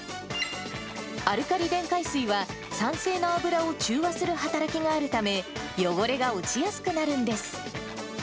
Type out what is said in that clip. アルカリ電解水は酸性の油を中和する働きがあるため、汚れが落ちやすくなるんです。